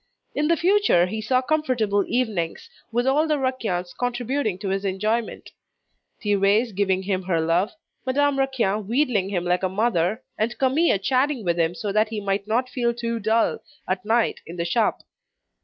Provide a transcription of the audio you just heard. In the future he saw comfortable evenings, with all the Raquins contributing to his enjoyment: Thérèse giving him her love, Madame Raquin wheedling him like a mother, and Camille chatting with him so that he might not feel too dull, at night, in the shop.